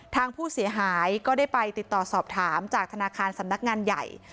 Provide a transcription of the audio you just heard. ทางผู้เสียหายก็ได้ไปติดต่อสอบถามจากธนาคารสำนักงานใหญ่